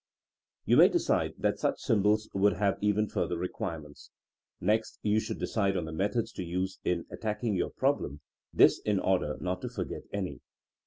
You may decide that such symbols would have even further requirements. Next you should decide on the methods to use in at tacking your problem — this in order not to for get any.